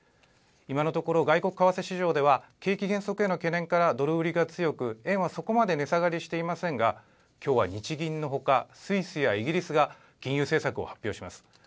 今のところ、外国為替市場では景気減速への懸念からドル売りが強く、円はそこまで値下がりしていませんが、きょうは日銀のほか、スイスやイギリスが金融政策を発表します。